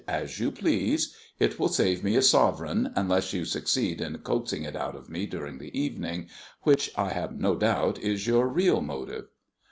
"As you please. It will save me a sovereign, unless you succeed in coaxing it out of me during the evening, which I have no doubt is your real motive."